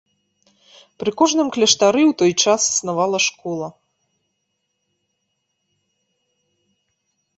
Пры кожным кляштары ў той час існавала школа.